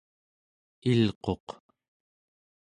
il'quq